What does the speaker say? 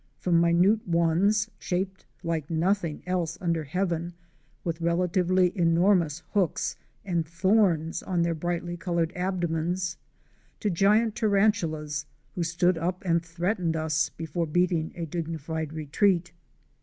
from minute ones, shaped like nothing else under heaven, with relatively enormous hooks and thorns on their brightly colored abdomens, to giant tarantulas, who stood up and threatened us before beating a dignified retreat.